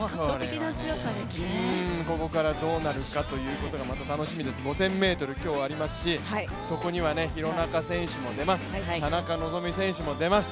ここからどうなるかまた楽しみです、５０００ｍ今日ありますし、そこには廣中選手も出ます、田中希実選手も出ます。